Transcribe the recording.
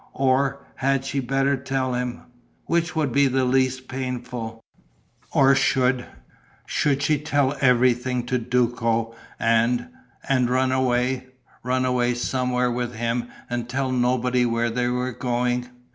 Or had she better tell him?... Which would be the least painful?... Or should ... should she tell everything to Duco and ... and run away ... run away somewhere with him and tell nobody where they were going....